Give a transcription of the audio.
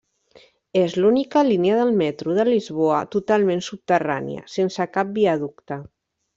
És l'única línia del Metro de Lisboa totalment subterrània, sense cap viaducte.